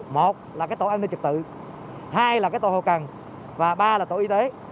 một là cái tổ an ninh trực tự hai là tổ hậu cần và ba là tổ y tế